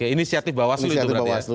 inisiatif bawaslu itu berarti ya